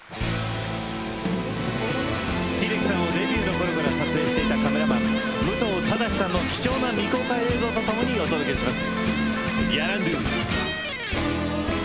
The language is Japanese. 秀樹さんをデビューのころから撮影していたカメラマン・武藤義さんの貴重な未公開写真とともにお届けします。